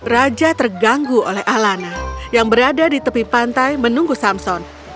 raja terganggu oleh alana yang berada di tepi pantai menunggu samson